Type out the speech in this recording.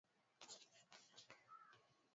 ika makala ya gurudumu la uchumi